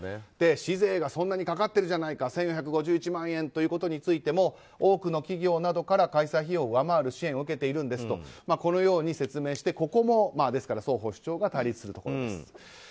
市税がそんなにかかっているじゃないか１４５１万円ということについても多くの企業などから開催費用を上回る支援を受けているんですとこのように説明してここも双方主張が対立するところです。